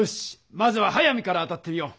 まずは速水から当たってみよう。